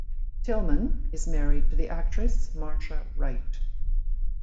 Tillman is married to the actress, Marcia Wright.